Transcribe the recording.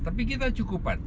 tapi kita cukupan